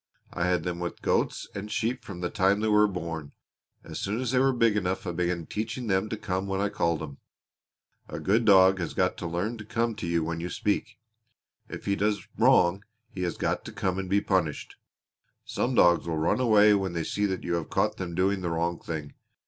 I had them with goats and sheep from the time they were born. As soon as they were big enough I began teaching them to come when I called 'em. A good dog has got to learn to come to you when you speak. If he has done wrong he has got to come and be punished. Some dogs will run away when they see that you have caught them doing the wrong thing.